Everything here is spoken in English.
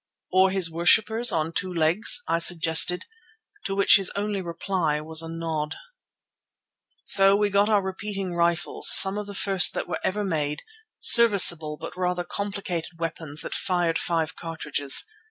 "Or his worshippers on two legs," I suggested, to which his only reply was a nod. So we got our repeating rifles, some of the first that were ever made, serviceable but rather complicated weapons that fired five cartridges.